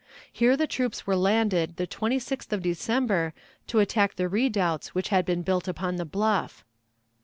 Here the troops were landed the 26th of December to attack the redoubts which had been built upon the bluff.